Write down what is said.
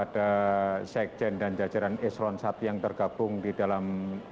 dari sekjen dan jajaran islam sati yang tergabung di dalam